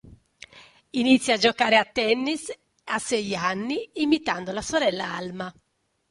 Inizia a giocare a tennis a sei anni imitando la sorella Alma.